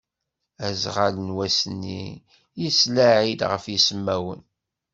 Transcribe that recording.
Azɣal n wass-nni yettlaɛi-d ɣef yismawen.